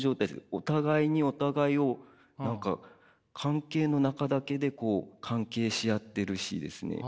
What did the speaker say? お互いにお互いを何か関係の中だけで関係し合ってるしですね